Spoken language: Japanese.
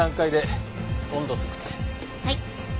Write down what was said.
はい。